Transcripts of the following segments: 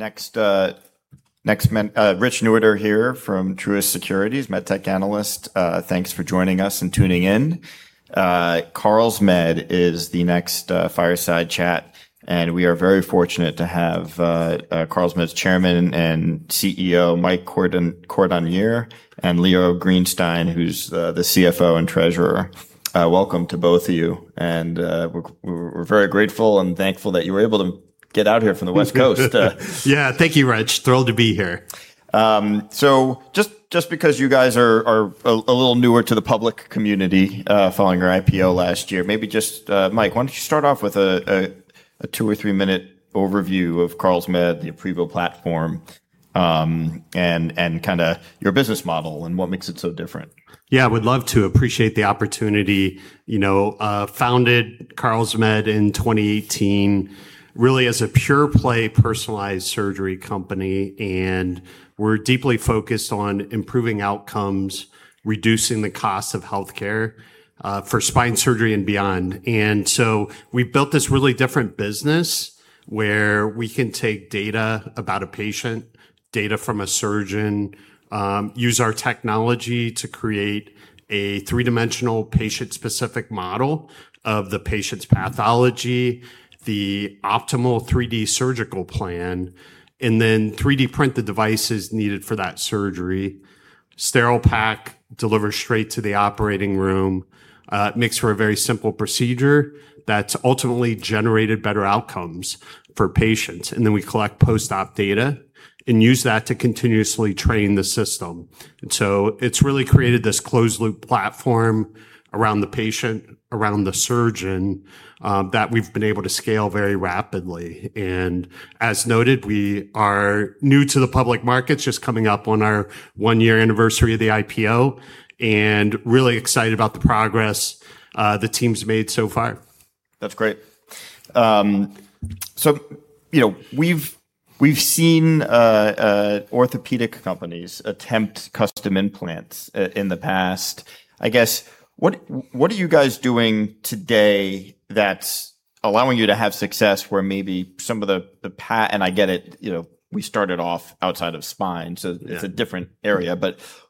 Rich Newitter here from Truist Securities MedTech Analyst. Thanks for joining us and tuning in. Carlsmed is the next fireside chat. We are very fortunate to have Carlsmed's Chairman and CEO, Mike Cordonnier, and Leo Greenstein, who's the CFO and Treasurer. Welcome to both of you. We're very grateful and thankful that you were able to get out here from the West Coast. Yeah. Thank you, Rich. Thrilled to be here. Just because you guys are a little newer to the public community, following your IPO last year, Mike, why don't you start off with a two- or three-minute overview of Carlsmed, the aprevo platform, and your business model and what makes it so different. Yeah, would love to. Appreciate the opportunity. Founded Carlsmed in 2018, really as a pure-play personalized surgery company. We're deeply focused on improving outcomes, reducing the cost of healthcare for spine surgery and beyond. We've built this really different business where we can take data about a patient, data from a surgeon, use our technology to create a three-dimensional patient-specific model of the patient's pathology, the optimal 3D surgical plan, then 3D printing the devices needed for that surgery. Sterile pack, deliver straight to the operating room. Makes for a very simple procedure that's ultimately generated better outcomes for patients. Then we collect post-op data and use that to continuously train the system. It's really created this closed loop platform around the patient, around the surgeon, that we've been able to scale very rapidly. As noted, we are new to the public markets, just coming up on our one-year anniversary of the IPO, and really excited about the progress the team's made so far. That's great. We've seen orthopedic companies attempt custom implants in the past. I guess, what are you guys doing today that's allowing you to have success where maybe and I get it, we started off outside of spine. Yeah It's a different area.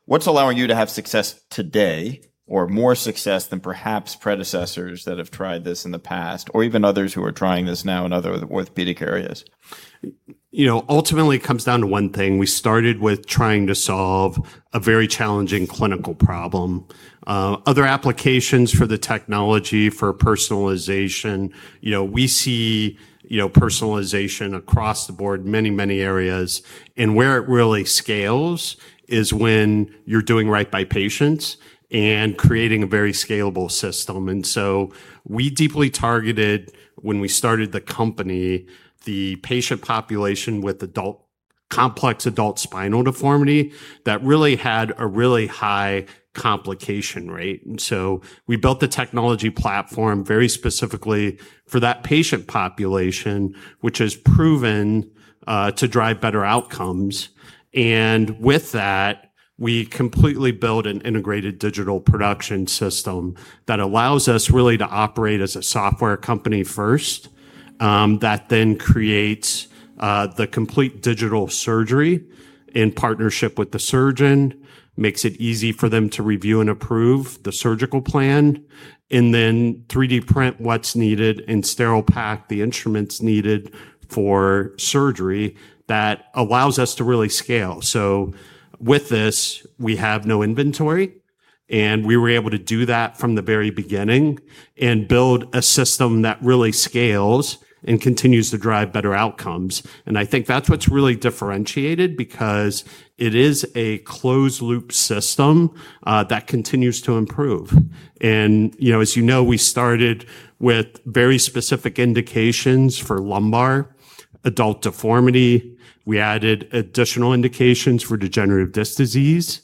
What's allowing you to have success today or more success than perhaps predecessors that have tried this in the past, or even others who are trying this now in other orthopedic areas? Ultimately, it comes down to one thing. We started with trying to solve a very challenging clinical problem. Other applications for the technology, for personalization, we see personalization across the board, many, many areas. Where it really scales is when you're doing right by patients and creating a very scalable system. We deeply targeted, when we started the company, the patient population with complex adult spinal deformity that really had a high complication rate. We built the technology platform very specifically for that patient population, which has proven to drive better outcomes. With that, we completely built an integrated digital production system that allows us really to operate as a software company first, that then creates the complete digital surgery in partnership with the surgeon, makes it easy for them to review and approve the surgical plan, and then 3D printing what's needed and sterile pack the instruments needed for surgery that allows us to really scale. With this, we have no inventory, and we were able to do that from the very beginning and build a system that really scales and continues to drive better outcomes. I think that's what's really differentiated because it is a closed loop system that continues to improve. As you know, we started with very specific indications for lumbar adult deformity. We added additional indications for degenerative disc disease.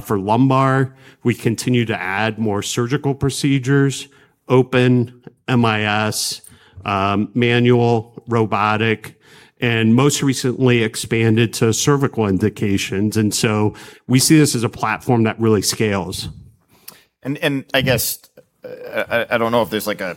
For lumbar, we continue to add more surgical procedures, open, MIS, manual, robotic, and most recently expanded to cervical indications. We see this as a platform that really scales. I guess, I don't know if there's a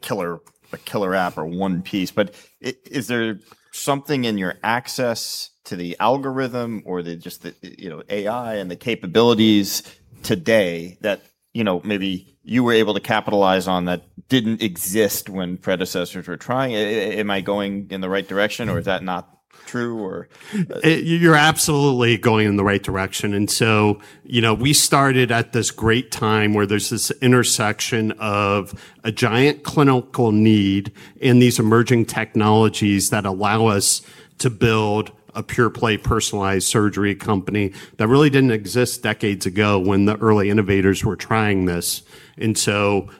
killer app or one piece, but is there something in your access to the algorithm or just the AI and the capabilities today that maybe you were able to capitalize on that didn't exist when predecessors were trying it? Am I going in the right direction, or is that not true, or? You're absolutely going in the right direction. We started at this great time where there's this intersection of a giant clinical need and these emerging technologies that allow us to build a pure-play personalized surgery company that really didn't exist decades ago when the early innovators were trying this.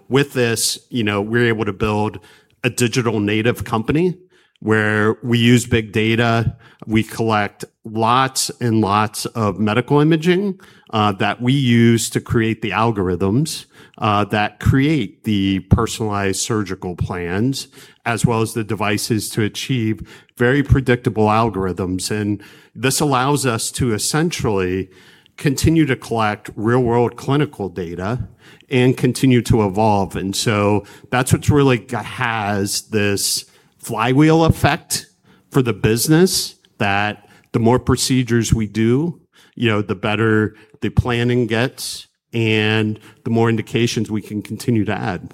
With this, we were able to build a digital native company where we use big data. We collect lots and lots of medical imaging that we use to create the algorithms that create the personalized surgical plans, as well as the devices to achieve very predictable algorithms. This allows us to essentially continue to collect real-world clinical data and continue to evolve. That's what really has this flywheel effect For the business, that the more procedures we do, the better the planning gets and the more indications we can continue to add.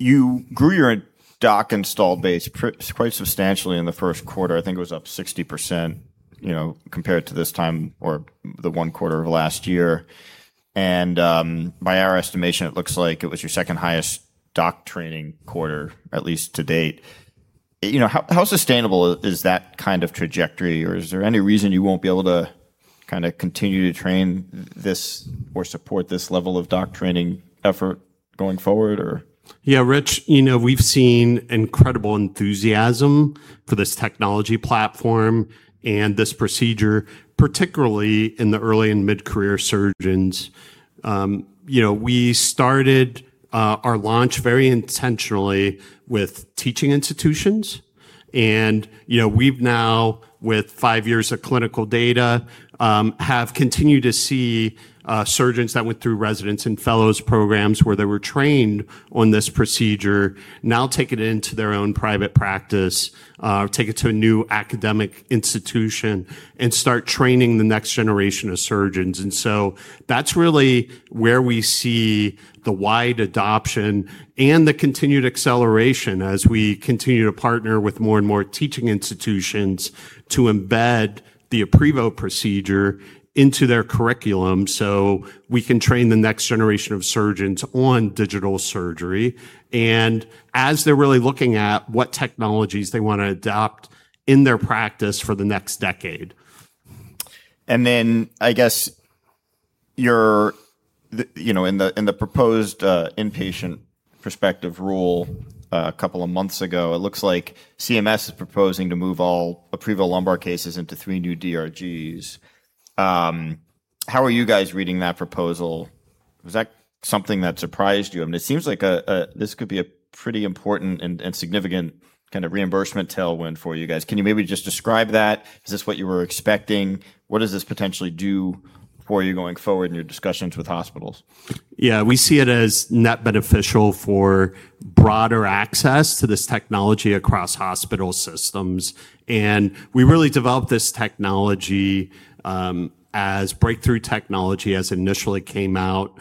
You grew your [doc] installed base quite substantially in the first quarter. I think it was up 60%, compared to this time or the one quarter of last year. By our estimation, it looks like it was your second highest [doc] training quarter, at least to-date. How sustainable is that kind of trajectory? Or is there any reason you won't be able to continue to train this or support this level of [doc] training effort going forward? Rich, we've seen incredible enthusiasm for this technology platform and this procedure, particularly in the early and mid-career surgeons. We started our launch very intentionally with teaching institutions, we've now, with five years of clinical data, have continued to see surgeons that went through residents and fellows programs where they were trained on this procedure now take it into their own private practice, or take it to a new academic institution and start training the next generation of surgeons. That's really where we see the wide adoption and the continued acceleration as we continue to partner with more and more teaching institutions to embed the aprevo procedure into their curriculum, so we can train the next generation of surgeons on digital surgery, and as they're really looking at what technologies they want to adopt in their practice for the next decade. I guess, in the proposed Inpatient Prospective rule a couple of months ago, it looks like CMS is proposing to move all aprevo lumbar cases into three new DRGs. How are you guys reading that proposal? Was that something that surprised you? I mean, it seems like this could be a pretty important and significant kind of reimbursement tailwind for you guys. Can you maybe just describe that? Is this what you were expecting? What does this potentially do for you going forward in your discussions with hospitals? We see it as net beneficial for broader access to this technology across hospital systems. We really developed this technology as breakthrough technology, as initially came out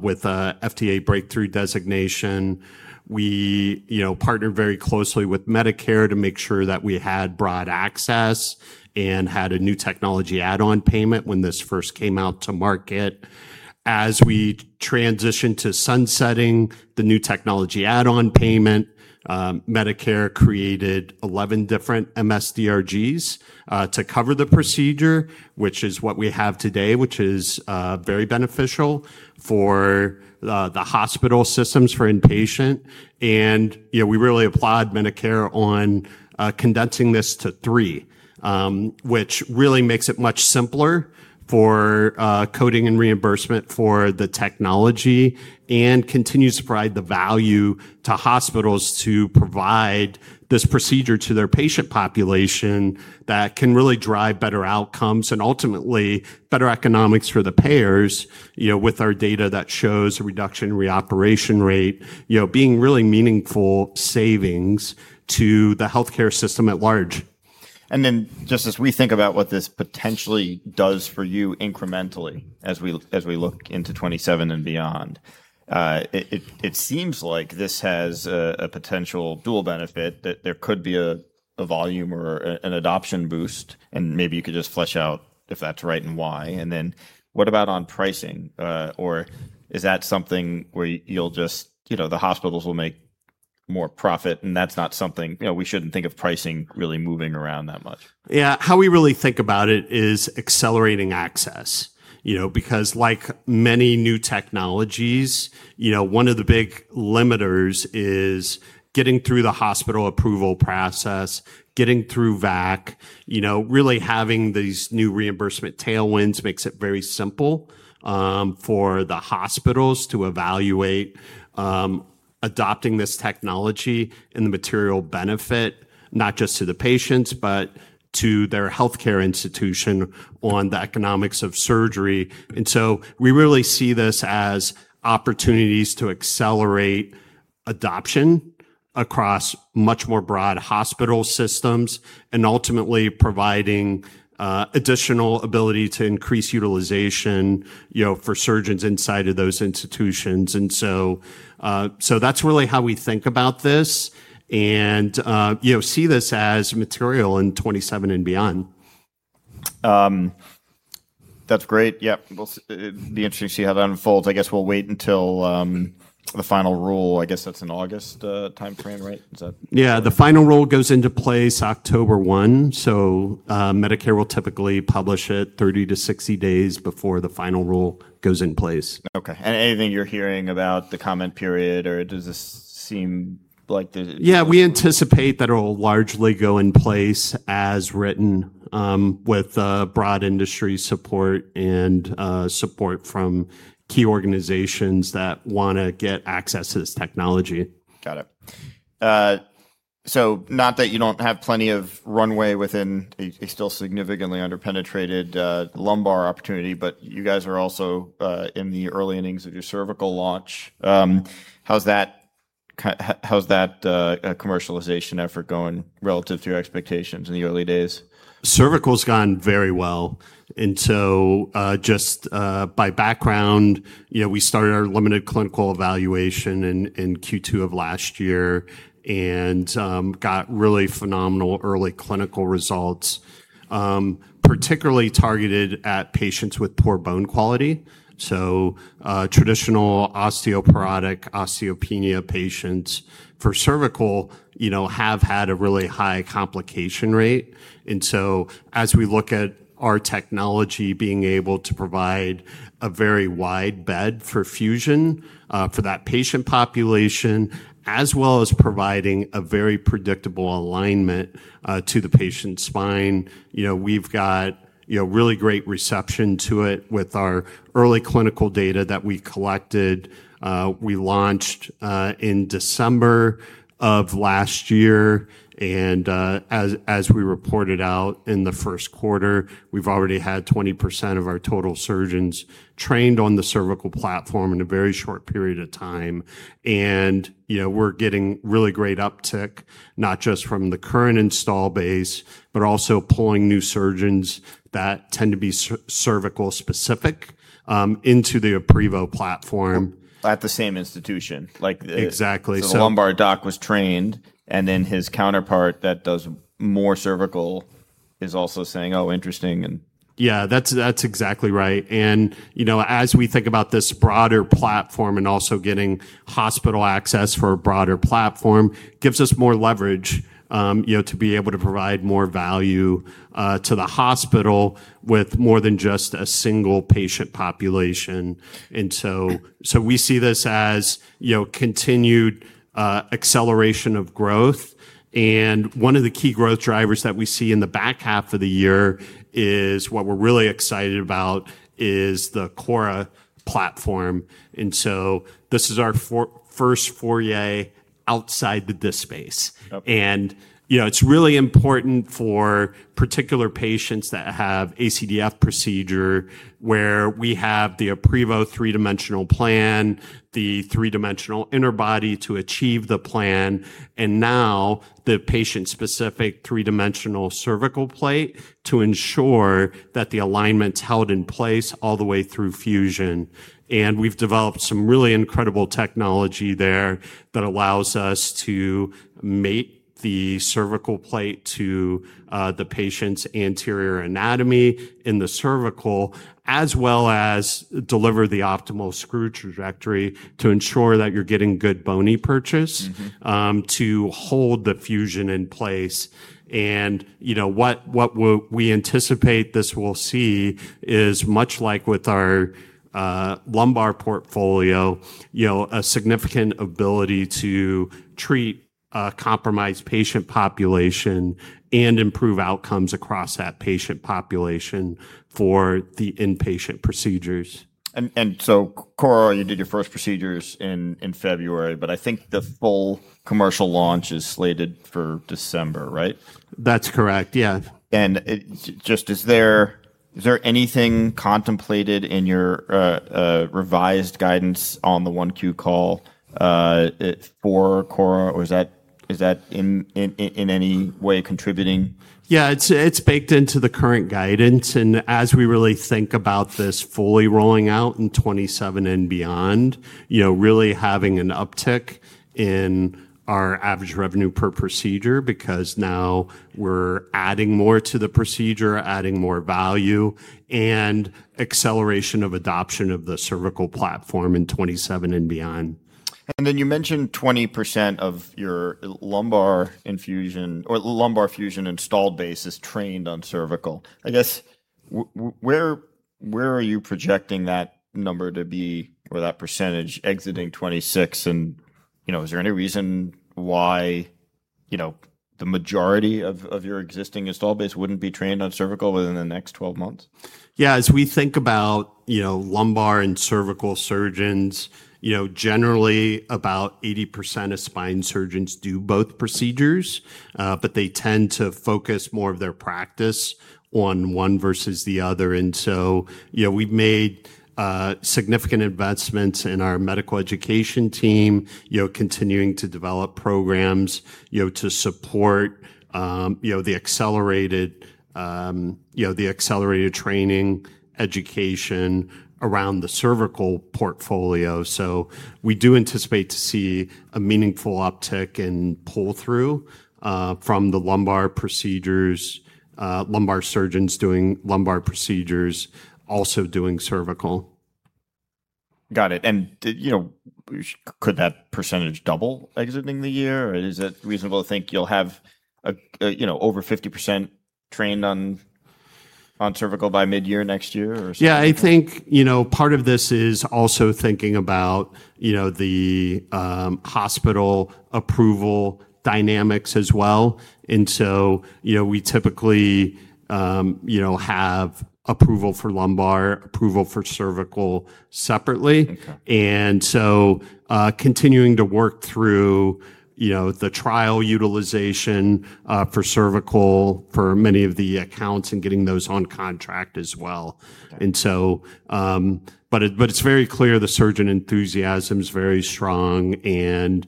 with a FDA Breakthrough Designation. We partnered very closely with Medicare to make sure that we had broad access and had a new technology add-on payment when this first came out to market. As we transitioned to sunsetting the new technology add-on payment, Medicare created 11 different MS-DRGs to cover the procedure, which is what we have today, which is very beneficial for the hospital systems for inpatient. We really applaud Medicare on condensing this to three, which really makes it much simpler for coding and reimbursement for the technology and continues to provide the value to hospitals to provide this procedure to their patient population that can really drive better outcomes and ultimately better economics for the payers, with our data that shows a reduction reoperation rate, being really meaningful savings to the healthcare system at large. Just as we think about what this potentially does for you incrementally, as we look into 2027 and beyond, it seems like this has a potential dual benefit that there could be a volume or an adoption boost, and maybe you could just flesh out if that's right and why. What about on pricing? Is that something where the hospitals will make more profit and we shouldn't think of pricing really moving around that much. How we really think about it is accelerating access, because like many new technologies, one of the big limiters is getting through the hospital approval process, getting through VAC. Really having these new reimbursement tailwinds makes it very simple for the hospitals to evaluate adopting this technology and the material benefit, not just to the patients, but to their healthcare institution on the economics of surgery. We really see this as opportunities to accelerate adoption across much more broad hospital systems and ultimately providing additional ability to increase utilization for surgeons inside of those institutions. That's really how we think about this and see this as material in 2027 and beyond. That's great. It'll be interesting to see how that unfolds. I guess we'll wait until the final rule, I guess that's in August timeframe, right? Yeah. The final rule goes into place October 1. Medicare will typically publish it 30 to 60 days before the final rule goes in place. Okay. Anything you're hearing about the comment period, or does this seem like the? Yeah. We anticipate that it'll largely go in place as written, with broad industry support and support from key organizations that want to get access to this technology. Got it. Not that you don't have plenty of runway within a still significantly under-penetrated lumbar opportunity, but you guys are also in the early innings of your cervical launch. How's that commercialization effort going relative to your expectations in the early days? Cervical's gone very well. Just by background, we started our limited clinical evaluation in Q2 of last year and got really phenomenal early clinical results, particularly targeted at patients with poor bone quality. Traditional osteoporotic, osteopenia patients for cervical have had a really high complication rate. As we look at our technology being able to provide a very wide bed for fusion for that patient population, as well as providing a very predictable alignment to the patient's spine, we've got really great reception to it with our early clinical data that we collected. We launched in December of last year, and as we reported out in the first quarter, we've already had 20% of our total surgeons trained on the cervical platform in a very short period of time. We're getting really great uptick, not just from the current install base, but also pulling new surgeons that tend to be cervical specific into the aprevo platform. At the same institution. Exactly. The lumbar doc was trained, and then his counterpart that does more cervical is also saying, oh, interesting. Yeah, that's exactly right. As we think about this broader platform and also getting hospital access for a broader platform, gives us more leverage to be able to provide more value to the hospital with more than just a single patient population. We see this as continued acceleration of growth. One of the key growth drivers that we see in the back half of the year is what we're really excited about is the corra platform. This is our first foray outside the disc space. Yep. It's really important for particular patients that have ACDF procedure where we have the aprevo three-dimensional plan, the three-dimensional interbody to achieve the plan, and now the patient-specific three-dimensional cervical plate to ensure that the alignment's held in place all the way through fusion. We've developed some really incredible technology there that allows us to mate the cervical plate to the patient's anterior anatomy in the cervical, as well as deliver the optimal screw trajectory to ensure that you're getting good bony purchase to hold the fusion in place. What we anticipate this will see is much like with our lumbar portfolio, a significant ability to treat a compromised patient population and improve outcomes across that patient population for the inpatient procedures. And so corra, you did your first procedures in February, but I think the full commercial launch is slated for December, right? That's correct, yeah. Is there anything contemplated in your revised guidance on the 1Q call for corra, or is that in any way contributing? It's baked into the current guidance, as we really think about this fully rolling out in 2027 and beyond, really having an uptick in our average revenue per procedure because now we're adding more to the procedure, adding more value, acceleration of adoption of the cervical platform in 2027 and beyond. Then you mentioned 20% of your lumbar infusion or lumbar fusion installed base is trained on cervical. I guess, where are you projecting that number to be or that percentage exiting 2026? Is there any reason why the majority of your existing install base wouldn't be trained on cervical within the next 12 months? Yeah. As we think about lumbar and cervical surgeons, generally about 80% of spine surgeons do both procedures, but they tend to focus more of their practice on one versus the other. We've made significant investments in our medical education team, continuing to develop programs to support the accelerated training education around the cervical portfolio. We do anticipate to see a meaningful uptick in pull-through from the lumbar procedures, lumbar surgeons doing lumbar procedures, also doing cervical. Got it. Could that percentage double exiting the year, or is it reasonable to think you'll have over 50% trained on cervical by mid-year next year or so? Yeah, I think part of this is also thinking about the hospital approval dynamics as well. We typically have approval for lumbar, approval for cervical separately. Okay. Continuing to work through the trial utilization for cervical for many of the accounts and getting those on contract as well. Okay. It's very clear the surgeon enthusiasm is very strong and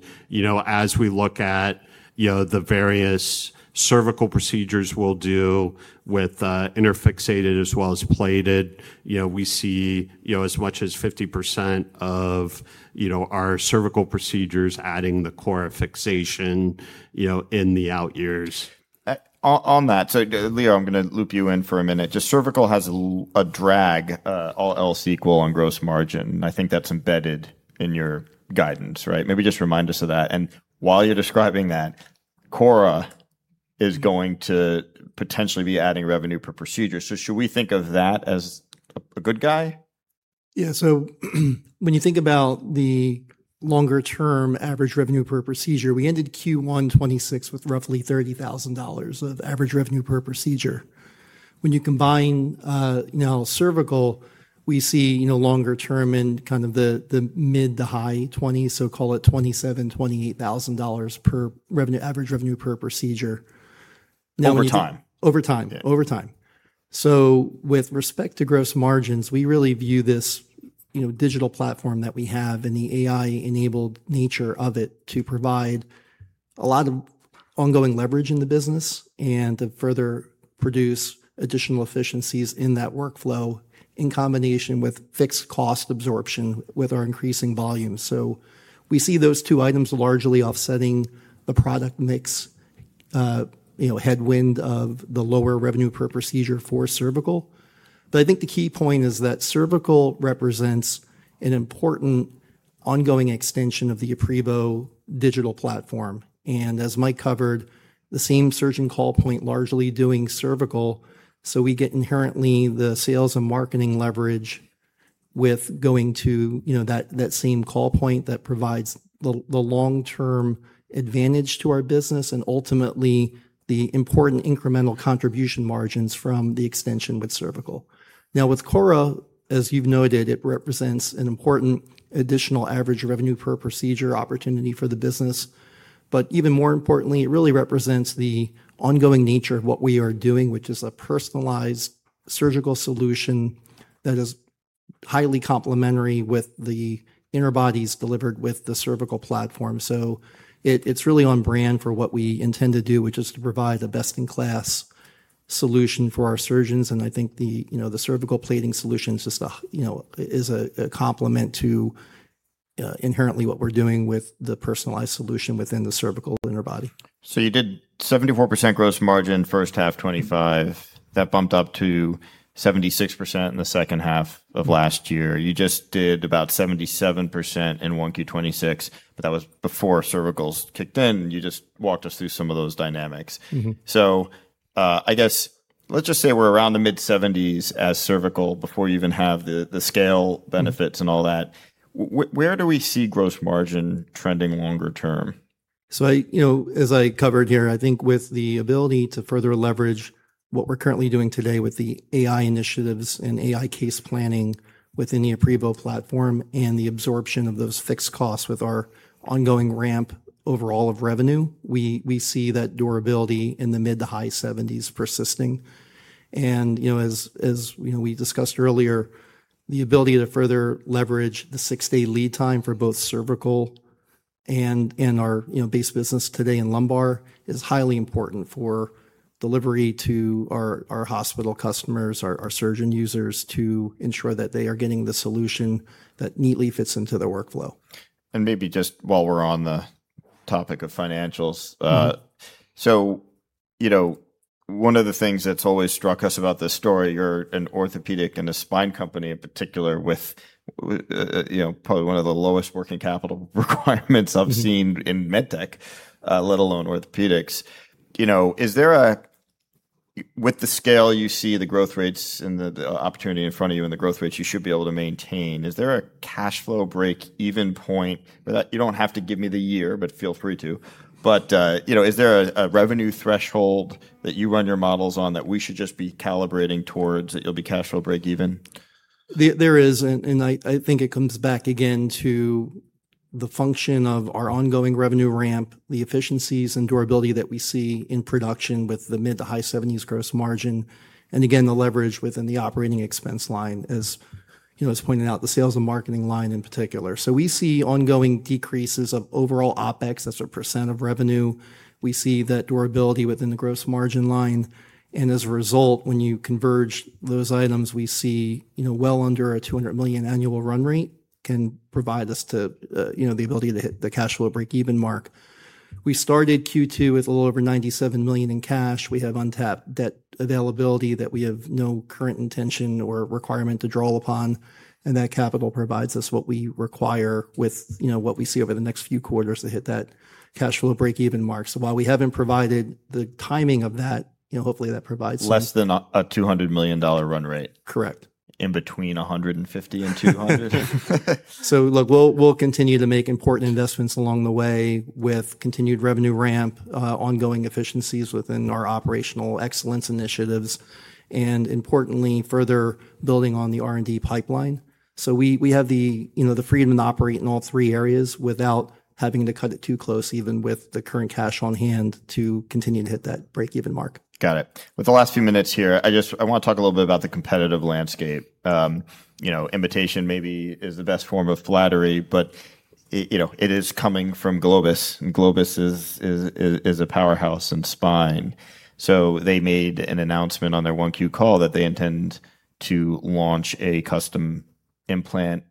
as we look at the various cervical procedures we'll do with interfixated as well as plated, we see as much as 50% of our cervical procedures adding the corra fixation in the out years. On that, Leo, I'm going to loop you in for a minute. Just cervical has a drag, all else equal, on gross margin, and I think that's embedded in your guidance, right? Maybe just remind us of that. While you're describing that, corra is going to potentially be adding revenue per procedure. Should we think of that as a good guy? When you think about the longer-term average revenue per procedure, we ended Q1 2026 with roughly $30,000 of average revenue per procedure. When you combine cervical, we see longer term in kind of the mid- to high-20s, call it $27,000-$28,000 per average revenue per procedure. Over time. Over time. Yeah. With respect to gross margins, we really view this digital platform that we have and the AI-enabled nature of it to provide a lot of ongoing leverage in the business and to further produce additional efficiencies in that workflow in combination with fixed cost absorption with our increasing volume. We see those two items largely offsetting the product mix headwind of the lower revenue per procedure for cervical. I think the key point is that cervical represents an important ongoing extension of the aprevo digital platform. As Mike covered, the same surgeon call point largely doing cervical, so we get inherently the sales and marketing leverage with going to that same call point that provides the long-term advantage to our business and ultimately the important incremental contribution margins from the extension with cervical. With corra, as you've noted, it represents an important additional average revenue per procedure opportunity for the business. Even more importantly, it really represents the ongoing nature of what we are doing, which is a personalized surgical solution that is highly complementary with the interbodies delivered with the cervical platform. It's really on brand for what we intend to do, which is to provide the best-in-class solution for our surgeons, and I think the cervical plating solution is a complement to inherently what we're doing with the personalized solution within the cervical interbody. You did 74% gross margin first half 2025. That bumped up to 76% in the second half of last year. You just did about 77% in 1Q 2026, that was before cervicals kicked in. You just walked us through some of those dynamics. I guess let's just say we're around the mid 70s% as cervical before you even have the scale benefits and all that. Where do we see gross margin trending longer term? As I covered here, I think with the ability to further leverage what we're currently doing today with the AI initiatives and AI case planning within the aprevo platform and the absorption of those fixed costs with our ongoing ramp overall of revenue, we see that durability in the mid- to high-70s% persisting. As we discussed earlier, the ability to further leverage the six-day lead time for both cervical and in our base business today in lumbar is highly important for delivery to our hospital customers, our surgeon users, to ensure that they are getting the solution that neatly fits into their workflow. Maybe just while we're on the topic of financials. One of the things that's always struck us about this story, you're an orthopedic and a spine company in particular with probably one of the lowest working capital requirements I've seen in MedTech, let alone orthopedics. With the scale you see, the growth rates and the opportunity in front of you, and the growth rates you should be able to maintain, is there a cash flow break-even point? You don't have to give me the year, but feel free to. Is there a revenue threshold that you run your models on that we should just be calibrating towards that you'll be cash flow break-even? There is, I think it comes back again to the function of our ongoing revenue ramp, the efficiencies and durability that we see in production with the mid-to-high 70s gross margin, and again, the leverage within the operating expense line. As pointed out, the sales and marketing line in particular. We see ongoing decreases of overall OpEx as a percent of revenue. We see that durability within the gross margin line, as a result, when you converge those items, we see well under a $200 million annual run-rate can provide us the ability to hit the cash flow break-even mark. We started Q2 with a little over $97 million in cash. We have untapped debt availability that we have no current intention or requirement to draw upon, that capital provides us what we require with what we see over the next few quarters to hit that cash flow break-even mark. While we haven't provided the timing of that, hopefully that provides. Less than a $200 million run-rate. Correct. In between $150 million and $200 million. Look, we'll continue to make important investments along the way with continued revenue ramp, ongoing efficiencies within our operational excellence initiatives, and importantly, further building on the R&D pipeline. We have the freedom to operate in all three areas without having to cut it too close, even with the current cash on hand to continue to hit that breakeven mark. Got it. With the last few minutes here, I want to talk a little bit about the competitive landscape. Imitation maybe is the best form of flattery, but it is coming from Globus, and Globus is a powerhouse in spine. They made an announcement on their 1Q call that they intend to launch a custom implant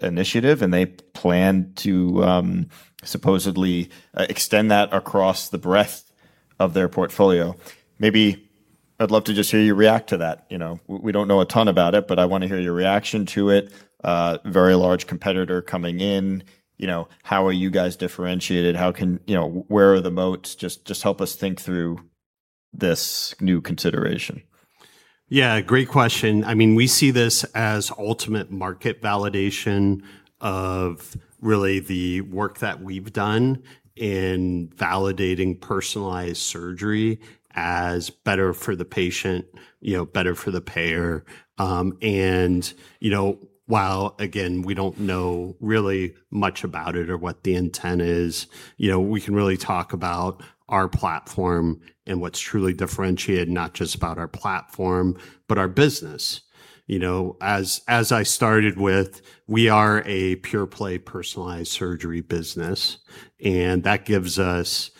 initiative, and they plan to supposedly extend that across the breadth of their portfolio. Maybe I'd love to just hear you react to that. We don't know a ton about it, but I want to hear your reaction to it. A very large competitor coming in. How are you guys differentiated? Where are the moats? Just help us think through this new consideration. Yeah. Great question. We see this as ultimate market validation of really the work that we've done in validating personalized surgery as better for the patient, better for the payer. While again, we don't know really much about it or what the intent is, we can really talk about our platform and what's truly differentiated, not just about our platform, but our business. As I started with, we are a pure play personalized surgery business, and that gives us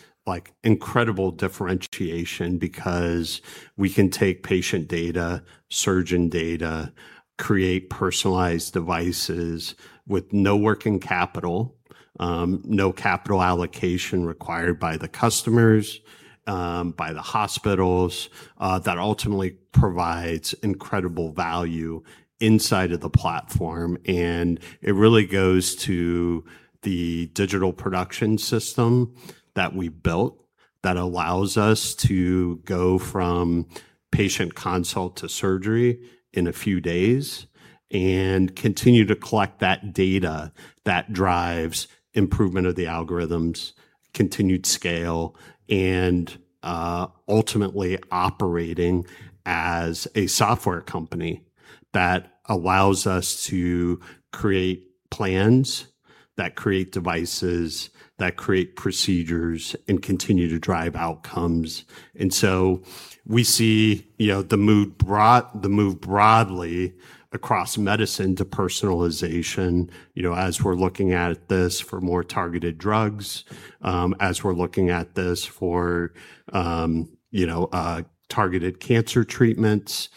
incredible differentiation because we can take patient data, surgeon data, create personalized devices with no working capital, no capital allocation required by the customers, by the hospitals, that ultimately provides incredible value inside of the platform. It really goes to the digital production system that we built that allows us to go from patient consult to surgery in a few days and continue to collect that data that drives improvement of the algorithms, continued scale, and ultimately operating as a software company that allows us to create plans, that create devices, that create procedures, and continue to drive outcomes. We see the move broadly across medicine to personalization. As we're looking at this for more targeted drugs, as we're looking at this for targeted cancer treatments,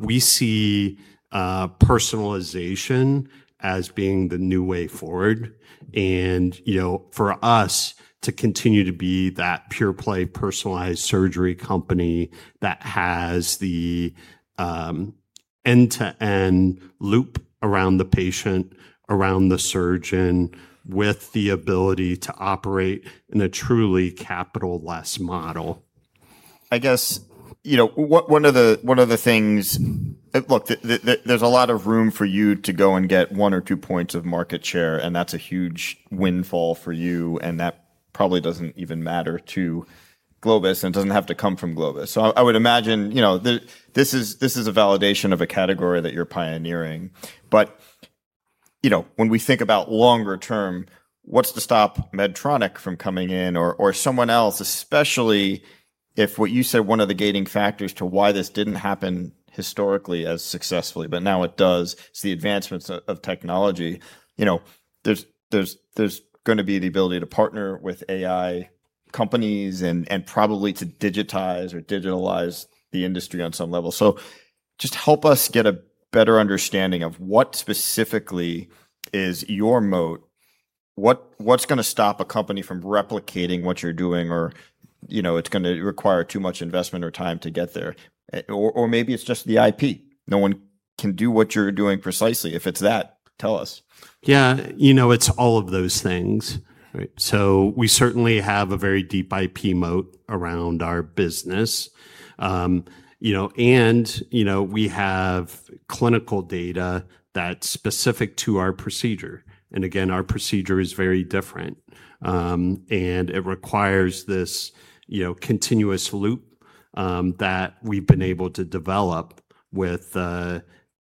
we see personalization as being the new way forward. For us to continue to be that pure play personalized surgery company that has the end-to-end loop around the patient, around the surgeon, with the ability to operate in a truly capital-less model. Look, there's a lot of room for you to go and get one or two points of market share, and that's a huge windfall for you, and that probably doesn't even matter to Globus, and it doesn't have to come from Globus. I would imagine this is a validation of a category that you're pioneering. When we think about longer term, what's to stop Medtronic from coming in or someone else, especially if what you said one of the gating factors to why this didn't happen historically as successfully, but now it does. It's the advancements of technology. There's going to be the ability to partner with AI companies and probably to digitize or digitalize the industry on some level. Just help us get a better understanding of what specifically is your moat. What's going to stop a company from replicating what you're doing, or it's going to require too much investment or time to get there? Maybe it's just the IP. No one can do what you're doing precisely. If it's that, tell us. Yeah. It's all of those things. We certainly have a very deep IP moat around our business. We have clinical data that's specific to our procedure, and again, our procedure is very different. It requires this continuous loop that we've been able to develop with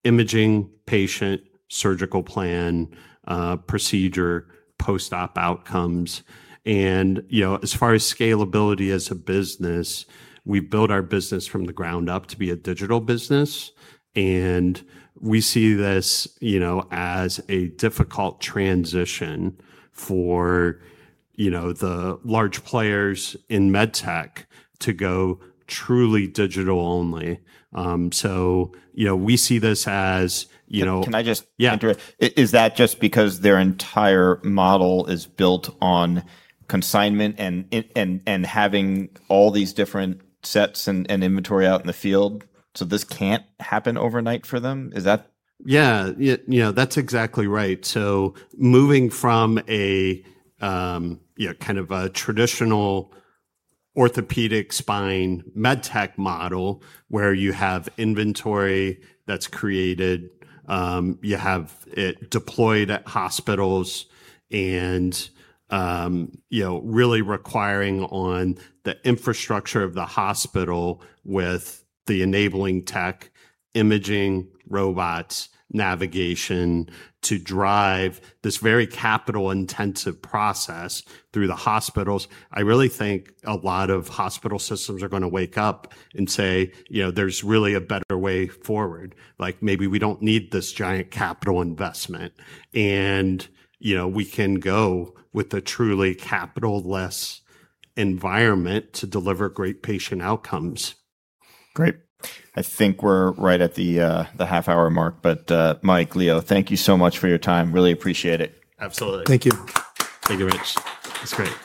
imaging patient surgical plan, procedure, post-op outcomes. As far as scalability as a business, we build our business from the ground up to be a digital business, and we see this as a difficult transition for the large players in MedTech to go truly digital only. We see this as- Can I just- Yeah interrupt? Is that just because their entire model is built on consignment and having all these different sets and inventory out in the field, this can't happen overnight for them? Yeah. That's exactly right. Moving from a kind of a traditional orthopedic spine MedTech model where you have inventory that's created, you have it deployed at hospitals and really requiring on the infrastructure of the hospital with the enabling tech, imaging, robots, navigation to drive this very capital-intensive process through the hospitals. I really think a lot of hospital systems are going to wake up and say, there's really a better way forward. Maybe we don't need this giant capital investment, and we can go with a truly capital-less environment to deliver great patient outcomes. Great. I think we're right at the half-hour mark, Mike, Leo, thank you so much for your time. Really appreciate it. Absolutely. Thank you. Thank you, Rich. That's great.